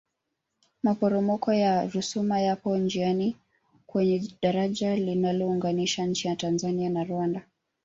maporomoko ya rusumo yapo njiani kwenye dajara linalounganisha nchi ya tanzania na rwanda